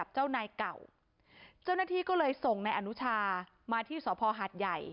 เจ้าหน้าที่ก็เลยส่งนายอนุชามาที่สภหาดใหญ่